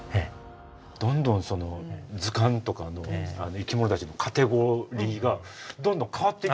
どんどん図鑑とかの生き物たちのカテゴリーがどんどん変わって。